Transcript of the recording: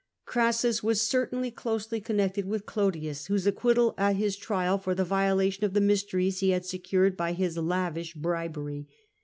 Crassus was certainly closely connected with Clodius, whose acquittal at his trial for the violation of the Mysteries he had secured by his lavish bribery.